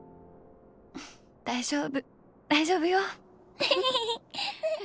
大丈夫大丈夫よフフフ。